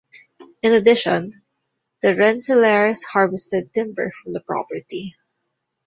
In addition, the Rensselaers harvested timber from the property.